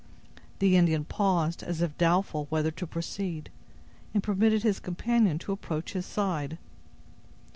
The Indian paused, as if doubtful whether to proceed, and permitted his companion to approach his side.